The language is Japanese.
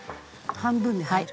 半分で入る？